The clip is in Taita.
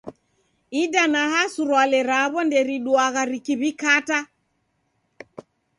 Idanaa surwale raw'o nderidua rikiw'ikata.